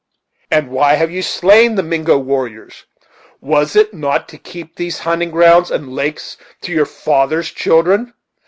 "And why have you slain the Mingo warriors? Was it not to keep these hunting grounds and lakes to your father's children?